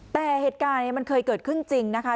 แต่เหตุการณ์มันเคยเกิดขึ้นจริงนะคะ